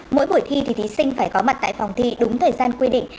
mỗi buổi thi thì thí sinh phải có mặt tại phòng thi đúng thời gian quy định